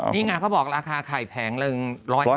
นี่ไงเขาบอกราคาไข่แผงหนึ่ง